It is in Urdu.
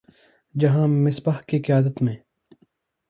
جہاں مصباح کی قیادت میں